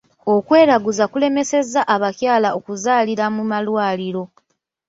Okweraguza kulemesezza abakyala okuzaalira mu malwaliro.